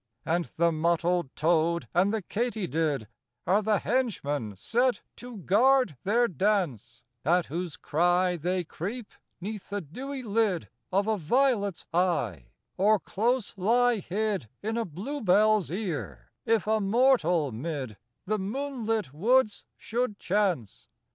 III And the mottled toad and the katydid Are the henchmen set to guard their dance; At whose cry they creep 'neath the dewy lid Of a violet's eye, or close lie hid In a bluebell's ear, if a mortal 'mid The moonlit woods should chance.